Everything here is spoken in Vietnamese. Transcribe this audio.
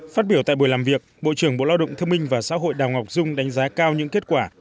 phát biểu tại buổi làm việc bộ trưởng bộ lao động thương minh và xã hội đào ngọc dung đánh giá cao những kết quả